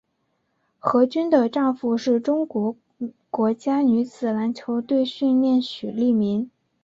何军的丈夫是中国国家女子篮球队教练许利民。